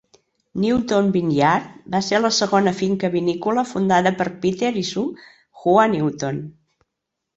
Newton Vineyard va ser la segona finca vinícola fundada per Peter i Su Hua Newton.